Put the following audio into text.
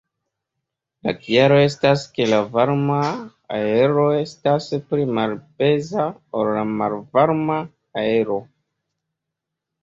La kialo estas ke la varma aero estas pli malpeza ol la malvarma aero.